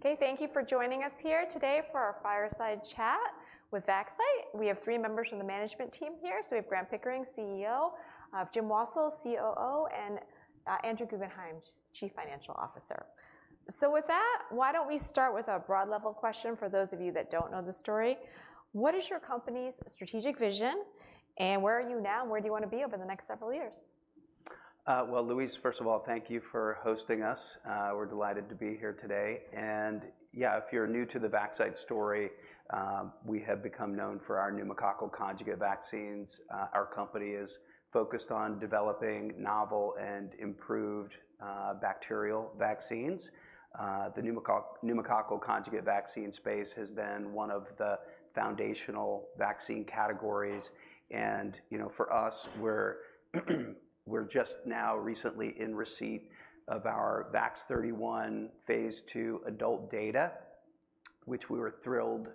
Okay, thank you for joining us here today for our fireside chat with Vaxcyte. We have three members from the management team here. So we have Grant Pickering, CEO, Jim Wassil, COO, and Andrew Guggenhime, Chief Financial Officer. So with that, why don't we start with a broad level question for those of you that don't know the story. What is your company's strategic vision, and where are you now, and where do you want to be over the next several years? Well, Louise, first of all, thank you for hosting us. We're delighted to be here today, and yeah, if you're new to the Vaxcyte story, we have become known for our pneumococcal conjugate vaccines. Our company is focused on developing novel and improved bacterial vaccines. The pneumococcal conjugate vaccine space has been one of the foundational vaccine categories, and, you know, for us, we're just now recently in receipt of our VAX-31 phase II adult data, which we were thrilled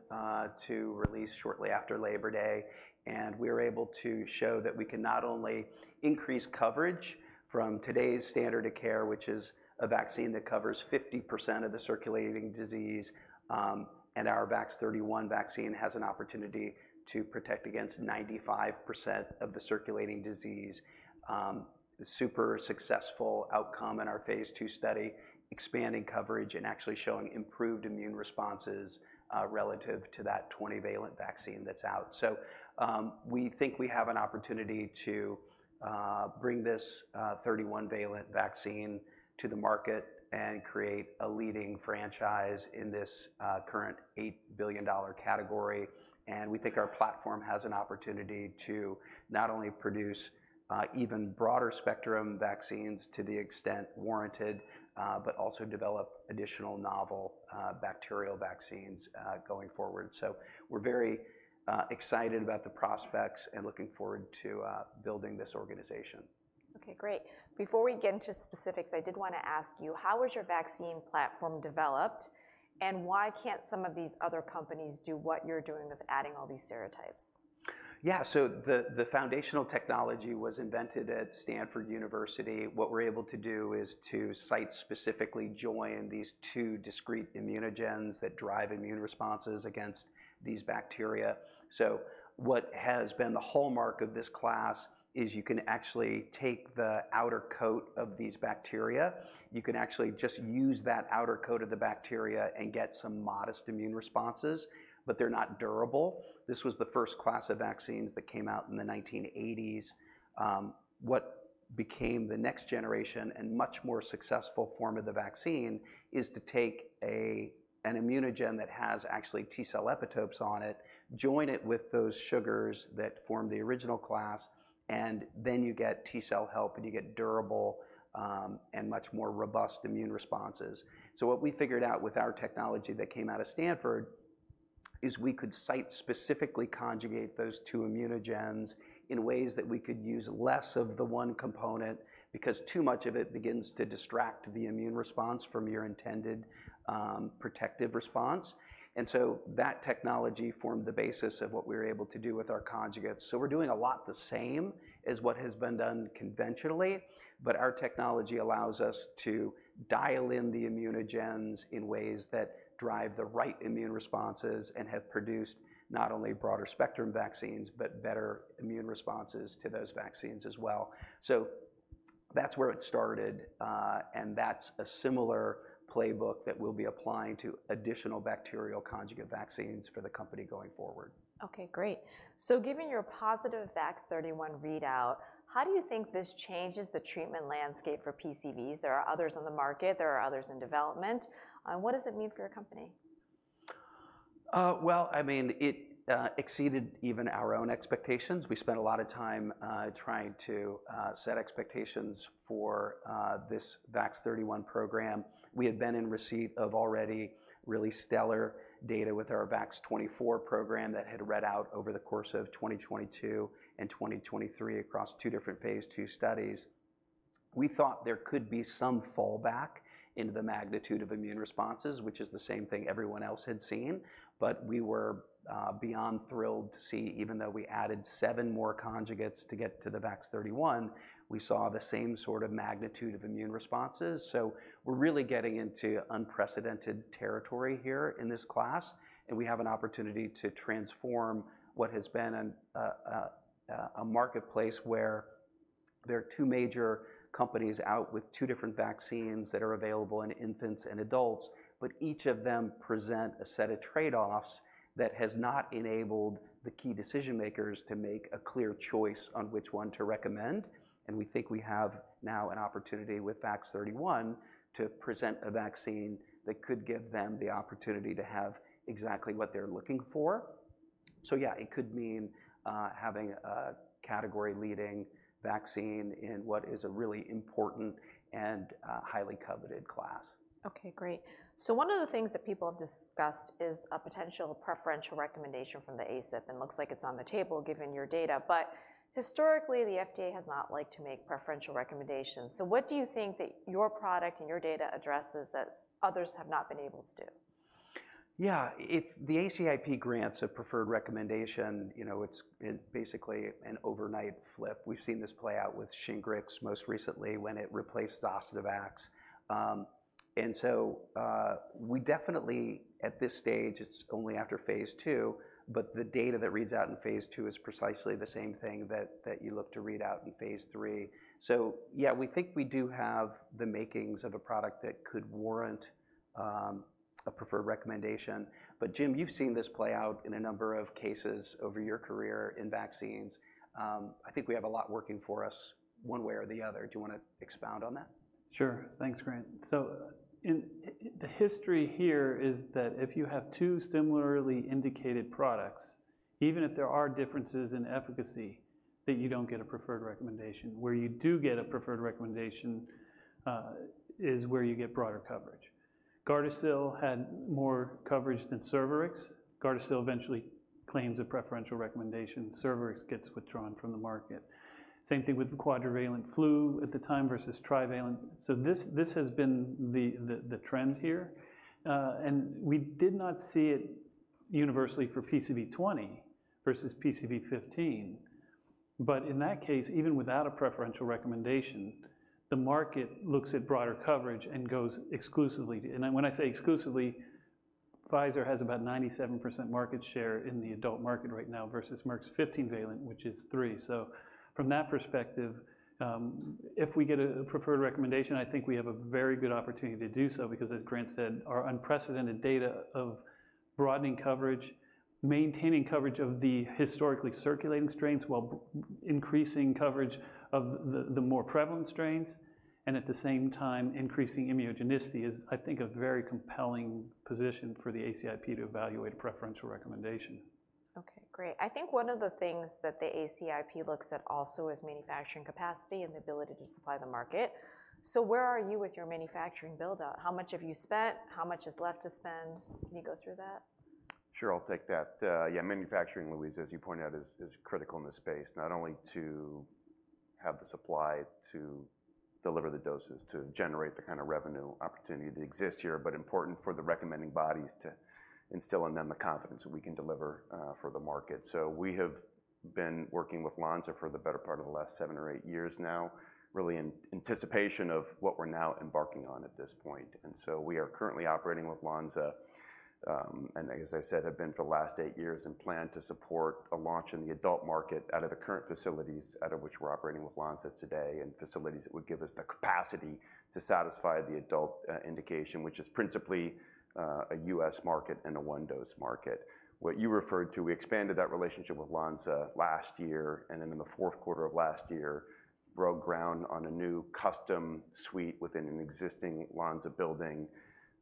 to release shortly after Labor Day, and we were able to show that we can not only increase coverage from today's standard of care, which is a vaccine that covers 50% of the circulating disease, and our VAX-31 vaccine has an opportunity to protect against 95% of the circulating disease. Super successful outcome in our phase II study, expanding coverage and actually showing improved immune responses relative to that 20-valent vaccine that's out. So, we think we have an opportunity to bring this 31-valent vaccine to the market and create a leading franchise in this current $8 billion category. And we think our platform has an opportunity to not only produce even broader spectrum vaccines to the extent warranted, but also develop additional novel bacterial vaccines going forward. So we're very excited about the prospects and looking forward to building this organization. Okay, great. Before we get into specifics, I did wanna ask you, how was your vaccine platform developed, and why can't some of these other companies do what you're doing with adding all these serotypes? Yeah, so the foundational technology was invented at Stanford University. What we're able to do is to site-specifically join these two discrete immunogens that drive immune responses against these bacteria. So what has been the hallmark of this class is you can actually take the outer coat of these bacteria. You can actually just use that outer coat of the bacteria and get some modest immune responses, but they're not durable. This was the first class of vaccines that came out in the nineteen eighties. What became the next generation and much more successful form of the vaccine is to take an immunogen that has actually T cell epitopes on it, join it with those sugars that form the original class, and then you get T cell help, and you get durable and much more robust immune responses. What we figured out with our technology that came out of Stanford is we could site-specifically conjugate those two immunogens in ways that we could use less of the one component, because too much of it begins to distract the immune response from your intended protective response. And so, that technology formed the basis of what we were able to do with our conjugates. We're doing a lot of the same as what has been done conventionally, but our technology allows us to dial in the immunogens in ways that drive the right immune responses and have produced not only broader spectrum vaccines, but better immune responses to those vaccines as well. That's where it started, and that's a similar playbook that we'll be applying to additional bacterial conjugate vaccines for the company going forward. Okay, great. So given your positive VAX-31 readout, how do you think this changes the treatment landscape for PCVs? There are others on the market. There are others in development. What does it mean for your company? I mean, it exceeded even our own expectations. We spent a lot of time trying to set expectations for this VAX-31 program. We had been in receipt of already really stellar data with our VAX-24 program that had read out over the course of 2022 and 2023 across two different phase II studies. We thought there could be some fallback in the magnitude of immune responses, which is the same thing everyone else had seen. But we were beyond thrilled to see, even though we added seven more conjugates to get to the VAX-31, we saw the same sort of magnitude of immune responses. So we're really getting into unprecedented territory here in this class, and we have an opportunity to transform what has been a marketplace where there are two major companies out with two different vaccines that are available in infants and adults, but each of them present a set of trade-offs that has not enabled the key decision makers to make a clear choice on which one to recommend. And we think we have now an opportunity with VAX-31 to present a vaccine that could give them the opportunity to have exactly what they're looking for. So yeah, it could mean having a category-leading vaccine in what is a really important and highly coveted class. Okay, great. So one of the things that people have discussed is a potential preferential recommendation from the ACIP, and it looks like it's on the table, given your data, but historically, the FDA has not liked to make preferential recommendations. So what do you think that your product and your data addresses that others have not been able to do?... Yeah, if the ACIP grants a preferred recommendation, you know, it's basically an overnight flip. We've seen this play out with Shingrix most recently when it replaced Zostavax. And so, we definitely, at this stage, it's only after phase II, but the data that reads out in phase II is precisely the same thing that you look to read out in phase III. So yeah, we think we do have the makings of a product that could warrant a preferred recommendation. But Jim, you've seen this play out in a number of cases over your career in vaccines. I think we have a lot working for us one way or the other. Do you wanna expound on that? Sure. Thanks, Grant. So the history here is that if you have two similarly indicated products, even if there are differences in efficacy, that you don't get a preferred recommendation. Where you do get a preferred recommendation is where you get broader coverage. GARDASIL had more coverage than Cervarix. GARDASIL eventually claims a preferential recommendation. Cervarix gets withdrawn from the market. Same thing with the quadrivalent flu at the time versus trivalent. So this has been the trend here, and we did not see it universally for PCV20 versus PCV15. But in that case, even without a preferential recommendation, the market looks at broader coverage and goes exclusively. And then when I say exclusively, Pfizer has about 97% market share in the adult market right now versus Merck's 15-valent, which is 3%. So from that perspective, if we get a preferred recommendation, I think we have a very good opportunity to do so, because as Grant said, our unprecedented data of broadening coverage, maintaining coverage of the historically circulating strains, while increasing coverage of the more prevalent strains, and at the same time, increasing immunogenicity, is, I think, a very compelling position for the ACIP to evaluate a preferential recommendation. Okay, great. I think one of the things that the ACIP looks at also is manufacturing capacity and the ability to supply the market. So where are you with your manufacturing build-out? How much have you spent? How much is left to spend? Can you go through that? Sure, I'll take that. Yeah, manufacturing, Louise, as you pointed out, is critical in this space, not only to have the supply to deliver the doses, to generate the kind of revenue opportunity that exists here, but important for the recommending bodies to instill in them the confidence that we can deliver for the market. So we have been working with Lonza for the better part of the last seven or eight years now, really in anticipation of what we're now embarking on at this point. And so we are currently operating with Lonza, and as I said, have been for the last eight years, and plan to support a launch in the adult market out of the current facilities out of which we are operating with Lonza today, and facilities that would give us the capacity to satisfy the adult indication, which is principally a U.S. market and a one-dose market. What you referred to, we expanded that relationship with Lonza last year, and then in the fourth quarter of last year, broke ground on a new custom suite within an existing Lonza building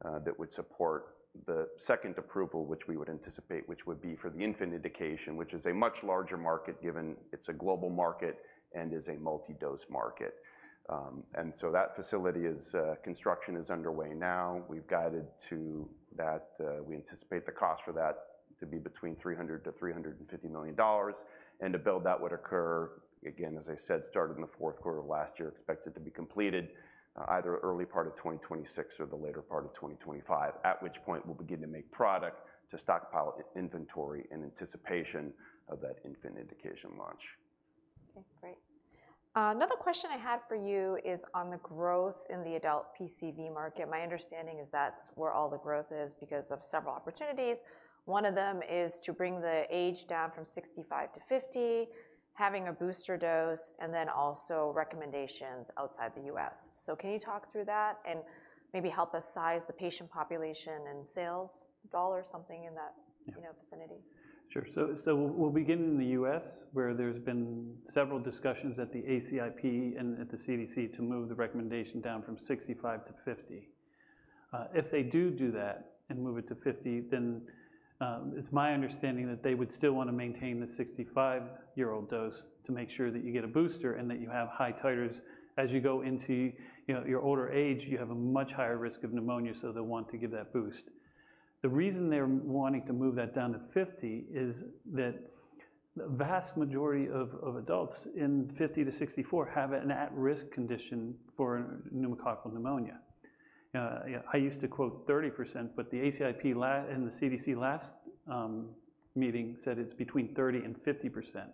that would support the second approval, which we would anticipate, which would be for the infant indication, which is a much larger market given it is a global market and is a multi-dose market. And so that facility construction is underway now. We've guided to that. We anticipate the cost for that to be between $300 million-$350 million, and a build that would occur, again, as I said, started in the fourth quarter of last year, expected to be completed, either early part of 2026 or the later part of 2025, at which point we'll begin to make product to stockpile inventory in anticipation of that infant indication launch. Okay, great. Another question I had for you is on the growth in the adult PCV market. My understanding is that's where all the growth is because of several opportunities. One of them is to bring the age down from 65 to 50, having a booster dose, and then also recommendations outside the U.S. So can you talk through that and maybe help us size the patient population and sales dollar or something in that- Yeah. You know, vicinity? Sure. So we'll begin in the U.S., where there's been several discussions at the ACIP and at the CDC to move the recommendation down from 65 to 50. If they do that and move it to 50, then it's my understanding that they would still want to maintain the 65-year-old dose to make sure that you get a booster and that you have high titers. As you go into, you know, your older age, you have a much higher risk of pneumonia, so they'll want to give that boost. The reason they're wanting to move that down to fifty is that the vast majority of adults in fifty to 64 have an at-risk condition for pneumococcal pneumonia. I used to quote 30%, but the ACIP and the CDC last meeting said it's between 30% and 50%.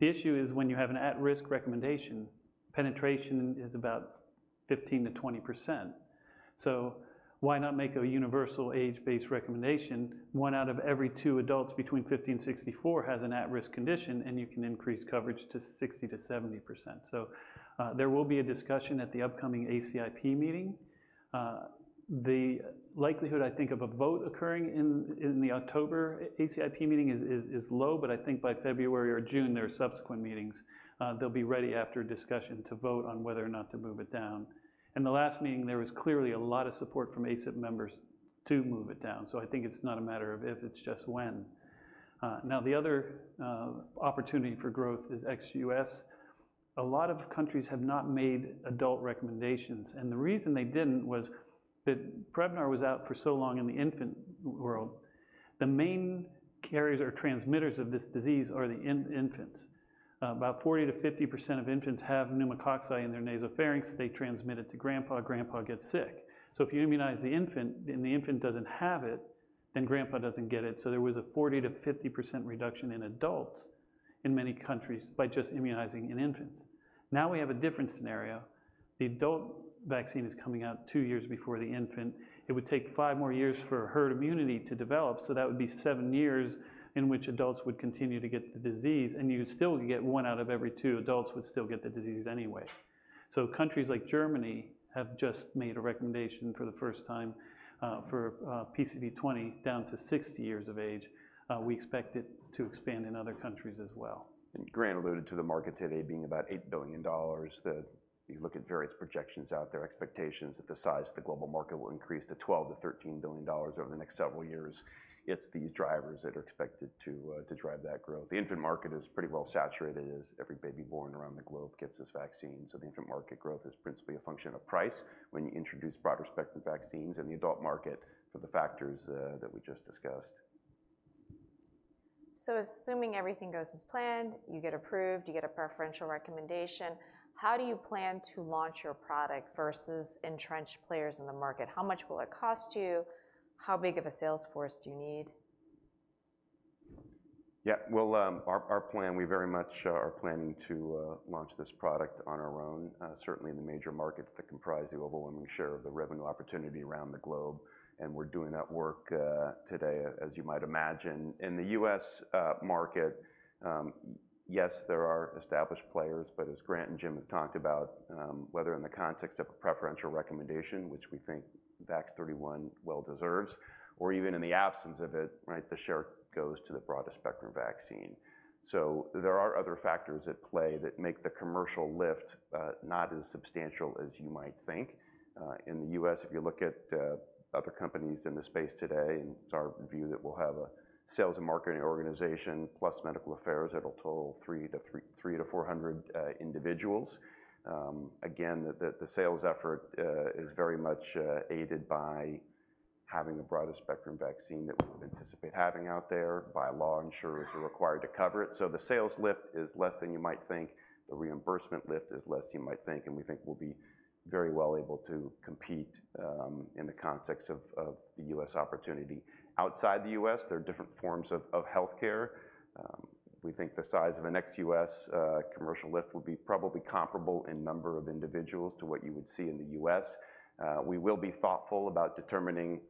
The issue is when you have an at-risk recommendation, penetration is about 15%-20%. So why not make a universal age-based recommendation? One out of every two adults between 50 and 64 has an at-risk condition, and you can increase coverage to 60%-70%. So, there will be a discussion at the upcoming ACIP meeting. The likelihood, I think, of a vote occurring in the October ACIP meeting is low, but I think by February or June, their subsequent meetings, they'll be ready after a discussion to vote on whether or not to move it down. In the last meeting, there was clearly a lot of support from ACIP members to move it down. So I think it's not a matter of if, it's just when. Now, the other opportunity for growth is ex-U.S. A lot of countries have not made adult recommendations, and the reason they didn't was that Prevnar was out for so long in the infant world. The main carriers or transmitters of this disease are the infants. About 40%-50% of infants have pneumococci in their nasopharynx. They transmit it to grandpa, grandpa gets sick. So if you immunize the infant, and the infant doesn't have it, then grandpa doesn't get it. So there was a 40%-50% reduction in adults in many countries by just immunizing in infants. Now, we have a different scenario. The adult vaccine is coming out two years before the infant. It would take five more years for herd immunity to develop, so that would be seven years in which adults would continue to get the disease, and you'd still get one out of every two adults would still get the disease anyway. So countries like Germany have just made a recommendation for the first time for PCV20 down to sixty years of age. We expect it to expand in other countries as well. Grant alluded to the market today being about $8 billion, that you look at various projections out there, expectations that the size of the global market will increase to $12 billion-$13 billion over the next several years. It's these drivers that are expected to to drive that growth. The infant market is pretty well saturated, as every baby born around the globe gets this vaccine. So the infant market growth is principally a function of price when you introduce broad-spectrum vaccines in the adult market for the factors, that we just discussed. So assuming everything goes as planned, you get approved, you get a preferential recommendation, how do you plan to launch your product versus entrenched players in the market? How much will it cost you? How big of a sales force do you need? Yeah, well, our plan, we very much are planning to launch this product on our own, certainly in the major markets that comprise the overwhelming share of the revenue opportunity around the globe, and we're doing that work today, as you might imagine. In the U.S. market, yes, there are established players, but as Grant and Jim have talked about, whether in the context of a preferential recommendation, which we think VAX-31 well deserves, or even in the absence of it, right, the share goes to the broadest spectrum vaccine. So there are other factors at play that make the commercial lift not as substantial as you might think. In the U.S., if you look at other companies in the space today, and it's our view that we'll have a sales and marketing organization, plus medical affairs, that'll total three to four hundred individuals. Again, the sales effort is very much aided by having the broadest-spectrum vaccine that we would anticipate having out there. By law, insurers are required to cover it. So the sales lift is less than you might think. The reimbursement lift is less you might think, and we think we'll be very well able to compete in the context of the U.S. opportunity. Outside the U.S., there are different forms of healthcare. We think the size of an ex-U.S. commercial lift would be probably comparable in number of individuals to what you would see in the U.S. We will be thoughtful about determining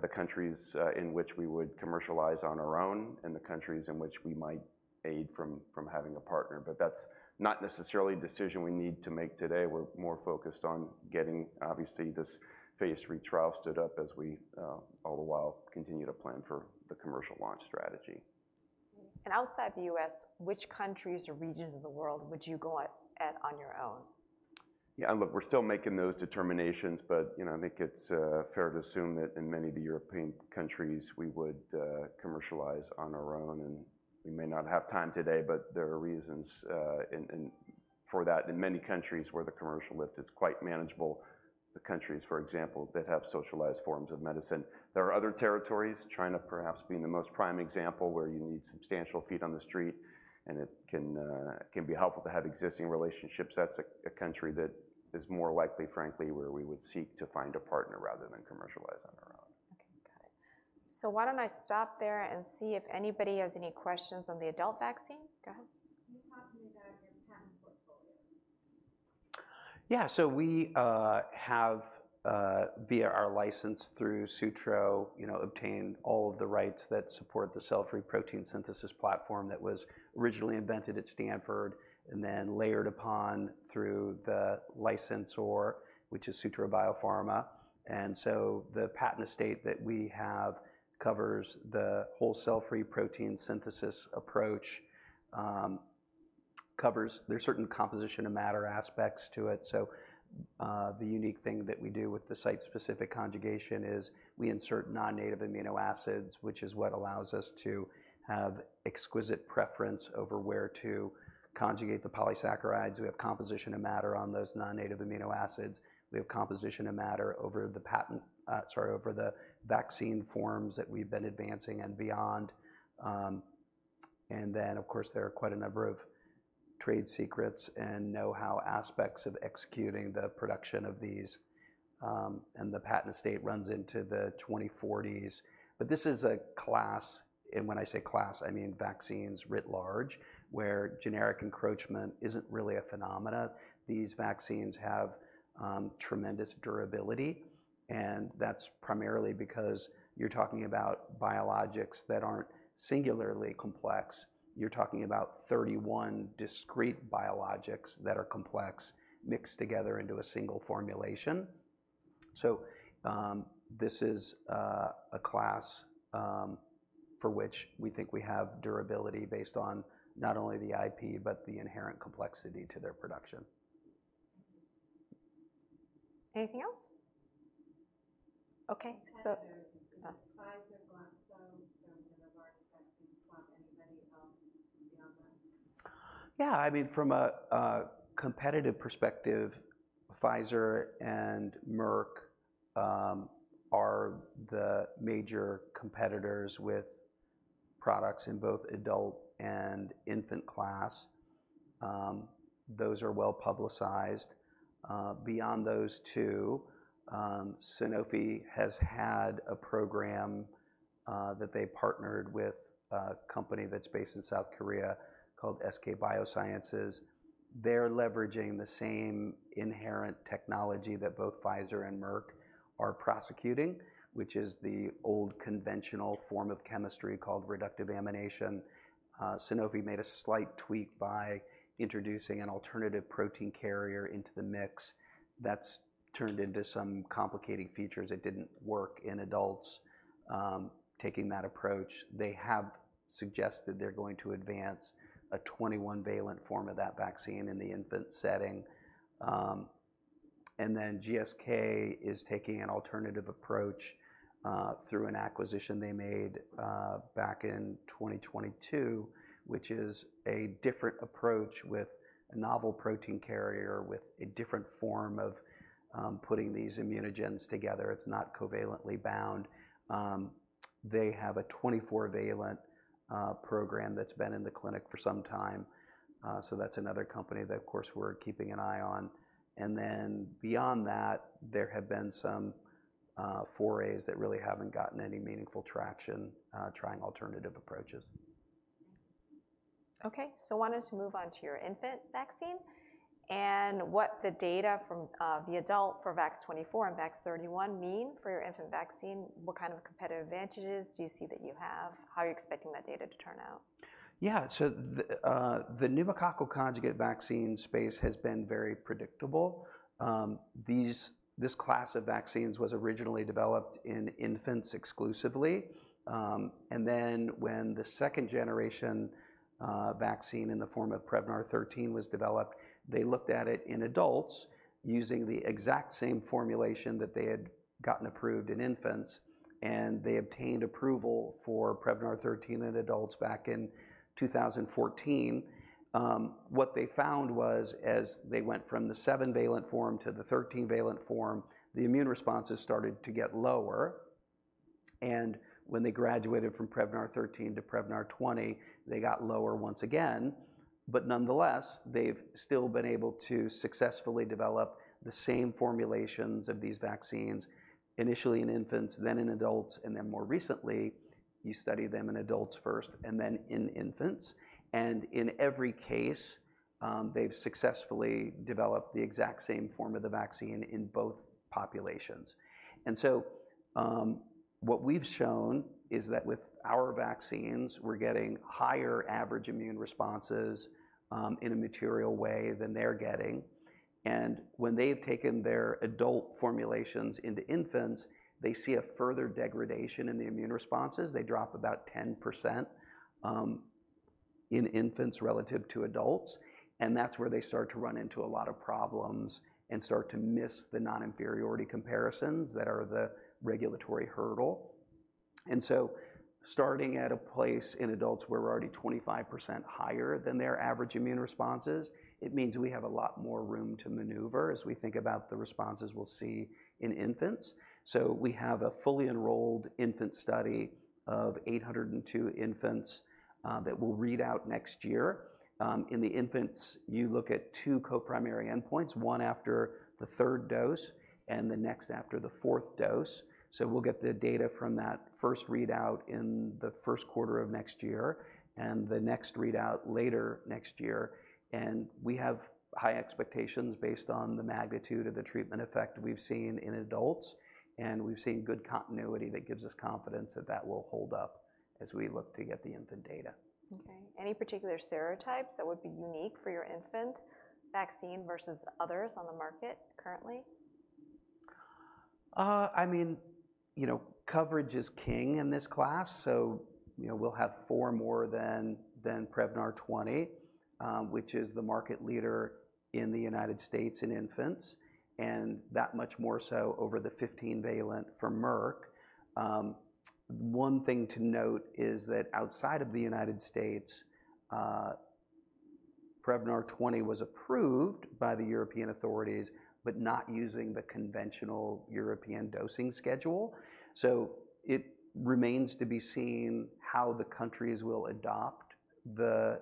the countries in which we would commercialize on our own and the countries in which we might benefit from having a partner, but that's not necessarily a decision we need to make today. We're more focused on getting, obviously, this phase III trial stood up as we all the while continue to plan for the commercial launch strategy. Outside the US, which countries or regions of the world would you go at it on your own? Yeah, look, we're still making those determinations, but, you know, I think it's fair to assume that in many of the European countries, we would commercialize on our own, and we may not have time today, but there are reasons, and for that in many countries where the commercial lift is quite manageable, the countries, for example, that have socialized forms of medicine. There are other territories, China perhaps being the most prime example, where you need substantial feet on the street, and it can be helpful to have existing relationships. That's a country that is more likely, frankly, where we would seek to find a partner rather than commercialize on our own. Okay, got it. So why don't I stop there and see if anybody has any questions on the adult vaccine? Go ahead. Can you talk to me about your patent portfolio? Yeah. So we have via our license through Sutro, you know, obtained all of the rights that support the cell-free protein synthesis platform that was originally invented at Stanford and then layered upon through the licensor, which is Sutro Biopharma. And so the patent estate that we have covers the whole cell-free protein synthesis approach, covers. There are certain composition of matter aspects to it. So the unique thing that we do with the site-specific conjugation is we insert non-native amino acids, which is what allows us to have exquisite preference over where to conjugate the polysaccharides. We have composition of matter on those non-native amino acids. We have composition of matter over the patent, over the vaccine forms that we've been advancing and beyond. And then, of course, there are quite a number of trade secrets and know-how aspects of executing the production of these, and the patent estate runs into the twenty-forties. But this is a class, and when I say class, I mean vaccines writ large, where generic encroachment isn't really a phenomenon. These vaccines have tremendous durability, and that's primarily because you're talking about biologics that aren't singularly complex. You're talking about thirty-one discrete biologics that are complex, mixed together into a single formulation. So, this is a class for which we think we have durability based on not only the IP, but the inherent complexity to their production. Anything else? Okay, so- ...... Yeah, I mean, from a competitive perspective, Pfizer and Merck are the major competitors with products in both adult and infant class. Those are well-publicized. Beyond those two, Sanofi has had a program that they partnered with a company that's based in South Korea called SK Bioscience. They're leveraging the same inherent technology that both Pfizer and Merck are prosecuting, which is the old conventional form of chemistry called reductive amination. Sanofi made a slight tweak by introducing an alternative protein carrier into the mix. That's turned into some complicating features. It didn't work in adults taking that approach. They have suggested they're going to advance a 21-valent form of that vaccine in the infant setting. And then GSK is taking an alternative approach through an acquisition they made back in 2022, which is a different approach with a novel protein carrier, with a different form of putting these immunogens together. It's not covalently bound. They have a 24-valent program that's been in the clinic for some time. So that's another company that, of course, we're keeping an eye on. And then beyond that, there have been some forays that really haven't gotten any meaningful traction trying alternative approaches. Okay, so why don't we move on to your infant vaccine and what the data from the adult for VAX-24 and VAX-31 mean for your infant vaccine? What kind of competitive advantages do you see that you have? How are you expecting that data to turn out? Yeah. So the pneumococcal conjugate vaccine space has been very predictable. This class of vaccines was originally developed in infants exclusively, and then when the second-generation vaccine in the form of Prevnar 13 was developed, they looked at it in adults using the exact same formulation that they had gotten approved in infants, and they obtained approval for Prevnar 13 in adults back in two thousand and fourteen. What they found was, as they went from the seven-valent form to the 13-valent form, the immune responses started to get lower, and when they graduated from Prevnar 13 to Prevnar 20, they got lower once again. But nonetheless, they've still been able to successfully develop the same formulations of these vaccines, initially in infants, then in adults, and then more recently, you study them in adults first and then in infants. And in every case, they've successfully developed the exact same form of the vaccine in both populations. And so, what we've shown is that with our vaccines, we're getting higher average immune responses, in a material way than they're getting. And when they've taken their adult formulations into infants, they see a further degradation in the immune responses. They drop about 10%, in infants relative to adults, and that's where they start to run into a lot of problems and start to miss the non-inferiority comparisons that are the regulatory hurdle. Starting at a place in adults where we're already 25% higher than their average immune responses, it means we have a lot more room to maneuver as we think about the responses we'll see in infants. We have a fully enrolled infant study of 802 infants that will read out next year. In the infants, you look at two co-primary endpoints, one after the third dose and the next after the fourth dose. We'll get the data from that first readout in the first quarter of next year, and the next readout later next year. We have high expectations based on the magnitude of the treatment effect we've seen in adults, and we've seen good continuity that gives us confidence that that will hold up as we look to get the infant data. Okay. Any particular serotypes that would be unique for your infant vaccine versus others on the market currently? I mean, you know, coverage is king in this class, so, you know, we'll have four more than Prevnar 20, which is the market leader in the United States in infants, and that much more so over the 15-valent from Merck. One thing to note is that outside of the United States, Prevnar 20 was approved by the European authorities, but not using the conventional European dosing schedule. So it remains to be seen how the countries will adopt the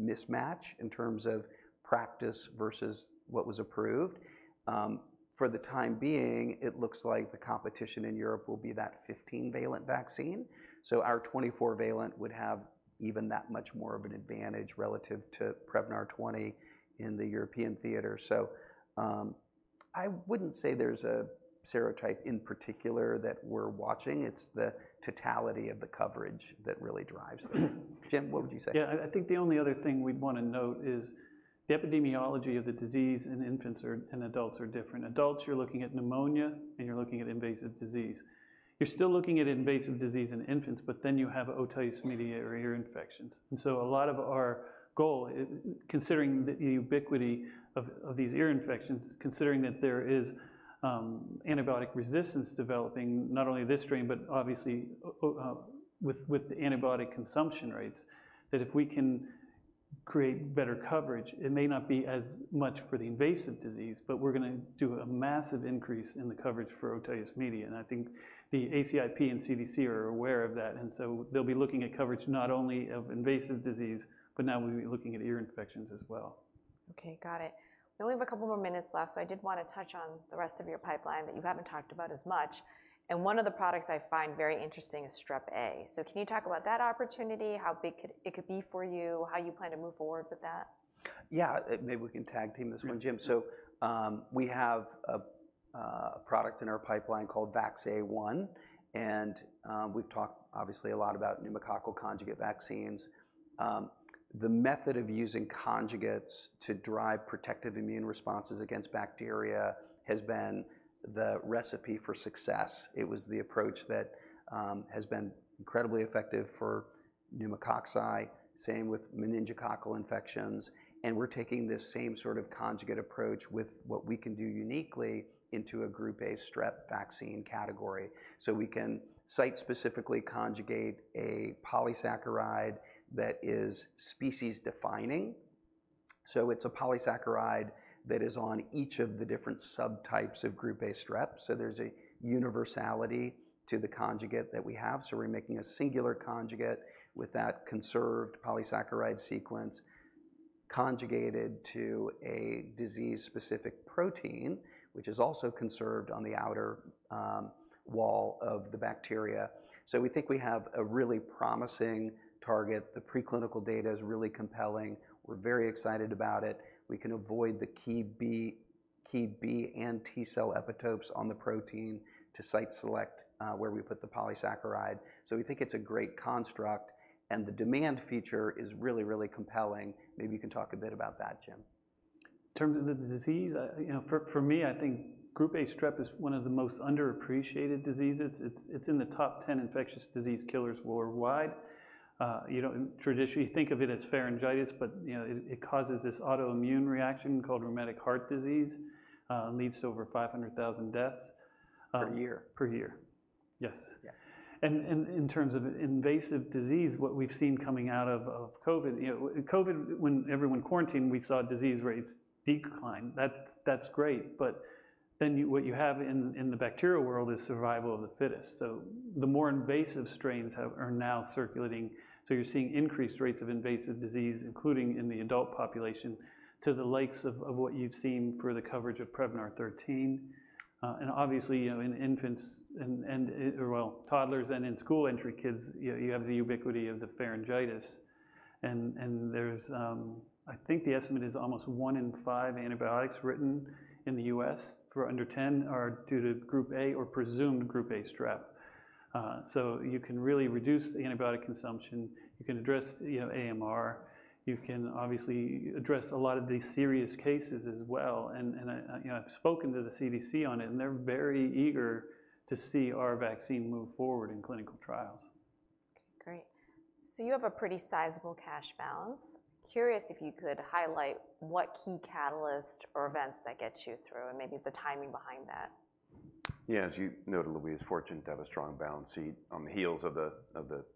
mismatch in terms of practice versus what was approved. For the time being, it looks like the competition in Europe will be that 15-valent vaccine. So our 24-valent would have even that much more of an advantage relative to Prevnar 20 in the European theater. I wouldn't say there's a serotype in particular that we're watching. It's the totality of the coverage that really drives this. Jim, what would you say? Yeah, I think the only other thing we'd want to note is the epidemiology of the disease in infants and adults are different. Adults, you're looking at pneumonia, and you're looking at invasive disease. You're still looking at invasive disease in infants, but then you have otitis media or ear infections. And so a lot of our goal considering the ubiquity of these ear infections, considering that there is antibiotic resistance developing, not only this strain, but obviously with the antibiotic consumption rates, that if we can create better coverage. It may not be as much for the invasive disease, but we're gonna do a massive increase in the coverage for otitis media, and I think the ACIP and CDC are aware of that, and so they'll be looking at coverage not only of invasive disease, but now we'll be looking at ear infections as well. Okay, got it. We only have a couple more minutes left, so I did wanna touch on the rest of your pipeline that you haven't talked about as much. And one of the products I find very interesting is Strep A. So can you talk about that opportunity, how big could it be for you, how you plan to move forward with that? Yeah, maybe we can tag-team this one, Jim. So, we have a product in our pipeline called VAX-A1, and we've talked obviously a lot about pneumococcal conjugate vaccines. The method of using conjugates to drive protective immune responses against bacteria has been the recipe for success. It was the approach that has been incredibly effective for pneumococci, same with meningococcal infections, and we're taking this same sort of conjugate approach with what we can do uniquely into a Group A Strep vaccine category. So we can site-specifically conjugate a polysaccharide that is species defining. So it's a polysaccharide that is on each of the different subtypes of Group A Strep, so there's a universality to the conjugate that we have. We're making a singular conjugate with that conserved polysaccharide sequence, conjugated to a disease-specific protein, which is also conserved on the outer wall of the bacteria. We think we have a really promising target. The preclinical data is really compelling. We're very excited about it. We can avoid the key B and T cell epitopes on the protein to site select where we put the polysaccharide. We think it's a great construct, and the immune feature is really, really compelling. Maybe you can talk a bit about that, Jim. In terms of the disease, you know, for me, I think Group A Strep is one of the most underappreciated diseases. It's in the top ten infectious disease killers worldwide. You know, and traditionally, you think of it as pharyngitis, but, you know, it causes this autoimmune reaction called rheumatic heart disease. Leads to over five hundred thousand deaths. Per year. Per year, yes. Yeah. In terms of invasive disease, what we've seen coming out of COVID, you know, COVID, when everyone quarantined, we saw disease rates decline. That's great, but then, what you have in the bacterial world is survival of the fittest. So the more invasive strains are now circulating, so you're seeing increased rates of invasive disease, including in the adult population, to the likes of what you've seen for the coverage of Prevnar 13. Obviously, you know, in infants and well, toddlers and in school-entry kids, you have the ubiquity of the pharyngitis. There's, I think the estimate is almost one in five antibiotics written in the U.S. for under 10 are due to Group A or presumed Group A Strep. So you can really reduce antibiotic consumption. You can address, you know, AMR. You can obviously address a lot of these serious cases as well, and I, you know, I've spoken to the CDC on it, and they're very eager to see our vaccine move forward in clinical trials. Okay, great. So you have a pretty sizable cash balance. Curious if you could highlight what key catalyst or events that gets you through, and maybe the timing behind that? Yeah, as you noted, Louise, fortunate to have a strong balance sheet. On the heels of the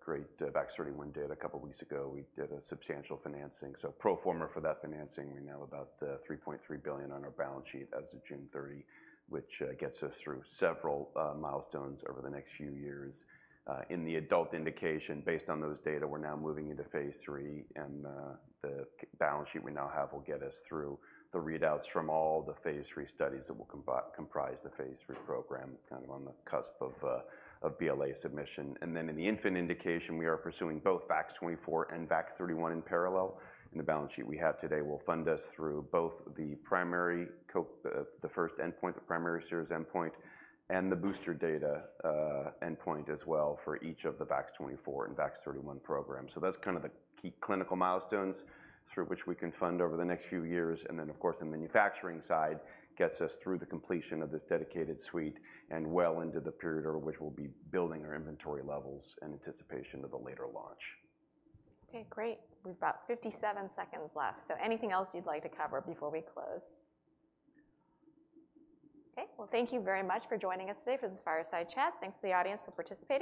great VAX-31 data a couple weeks ago, we did a substantial financing. So pro forma for that financing, we now have about $3.3 billion on our balance sheet as of June 30, which gets us through several milestones over the next few years. In the adult indication, based on those data, we're now moving into phase III, and the balance sheet we now have will get us through the readouts from all the phase III studies that will comprise the phase III program, kind of on the cusp of BLA submission. And then in the infant indication, we are pursuing both VAX-24 and VAX-31 in parallel, and the balance sheet we have today will fund us through both the primary endpoint, the first endpoint, the primary series endpoint, and the booster data endpoint as well for each of the VAX-24 and VAX-31 programs. So that's kind of the key clinical milestones through which we can fund over the next few years, and then, of course, the manufacturing side gets us through the completion of this dedicated suite and well into the period over which we'll be building our inventory levels in anticipation of a later launch. Okay, great. We've got 57 seconds left, so anything else you'd like to cover before we close? Okay, well, thank you very much for joining us today for this fireside chat. Thanks to the audience for participating.